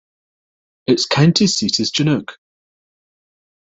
Its county seat is Chinook.